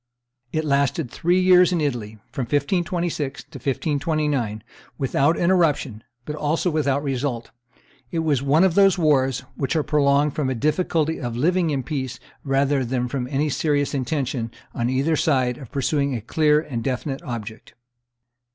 It lasted three years in Italy, from 1526 to 1529, without interruption, but also without result; it was one of those wars which are prolonged from a difficulty of living in peace rather than from any serious intention, on either side, of pursuing a clear and definite object.